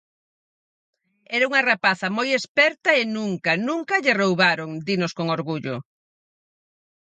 Era unha rapaza moi esperta e nunca, nunca, lle roubaron, dinos con orgullo.